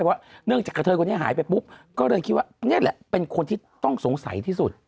ว่าเนื่องจากกระเทยคนนี้หายไปปุ๊บก็เลยคิดว่านี่แหละเป็นคนที่ต้องสงสัยที่สุด